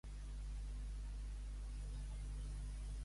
Què ha determinat Ghosn en marxar al Líban?